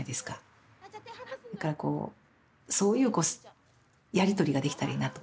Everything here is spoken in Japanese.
だからこうそういうやり取りができたらいいなと思います。